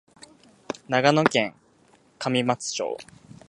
長野県上松町